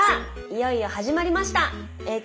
いよいよ始まりました。